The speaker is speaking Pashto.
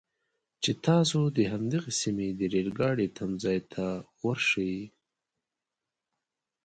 چې تاسو د همدغې سیمې د ریل ګاډي تمځي ته ورشئ.